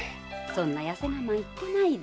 そんなやせ我慢言ってないで。